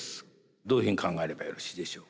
どういうふうに考えればよろしいでしょう？